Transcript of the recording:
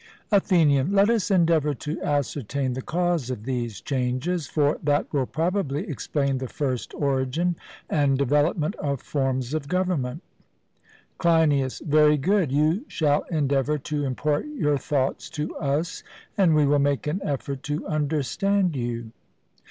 ATHENIAN: Let us endeavour to ascertain the cause of these changes; for that will probably explain the first origin and development of forms of government. CLEINIAS: Very good. You shall endeavour to impart your thoughts to us, and we will make an effort to understand you.